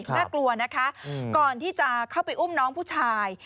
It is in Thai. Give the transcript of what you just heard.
น่ากลัวนะคะก่อนที่จะเข้าไปอุ้มน้องผู้ชาย